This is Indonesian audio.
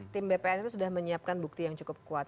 tim bpn itu sudah menyiapkan bukti yang cukup kuat